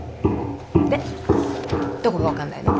でどこが分かんないの？